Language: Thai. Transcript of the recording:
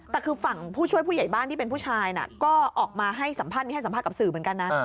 แต่คือฝั่งผู้ช่วยผู้ใหญ่บ้านที่เป็นผู้ชายก็ออกมาให้สัมภาษณ์นี้ให้สัมภาษณ์กับสื่อเหมือนกันนะ